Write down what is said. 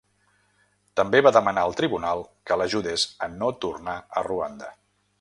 També va demanar al tribunal que l'ajudés a no tornar a Ruanda.